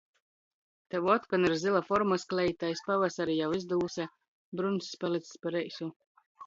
Tev otkon ir zyla formys kleita, iz pavasari jau izdyluse, bruņcs palics par eisu.